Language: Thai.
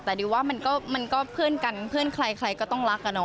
แต่ดิวว่ามันก็เพื่อนกันเพื่อนใครก็ต้องรัก